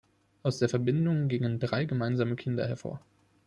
Aus der Verbindung gingen drei gemeinsame Kinder hervor.